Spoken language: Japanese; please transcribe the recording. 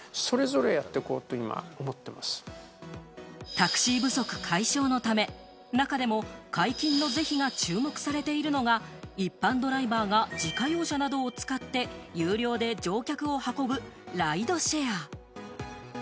タクシー不足解消のため、中でも解禁の是非が注目されているのが、一般ドライバーが自家用車などを使って有料で乗客を運ぶ、ライドシェア。